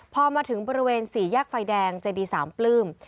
พอมาถึงบริเวณสี่แยกไฟแดงเจดีสามปลื้ม